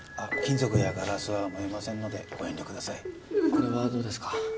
これはどうですか？